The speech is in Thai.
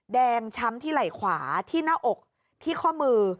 ช้ำที่ไหล่ขวาที่หน้าอกที่ข้อมือ